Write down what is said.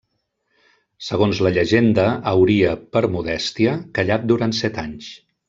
Segons la llegenda, hauria, per modèstia, callat durant set anys.